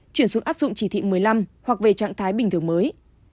chuyển xuống áp dụng chỉ thị một mươi năm hoặc về trạng thái bình thường mới